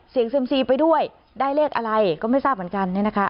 เซ็มซีไปด้วยได้เลขอะไรก็ไม่ทราบเหมือนกันเนี่ยนะคะ